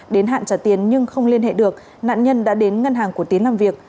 đến hạn trả tiền nhưng không liên hệ được nạn nhân đã đến ngân hàng của tiến làm việc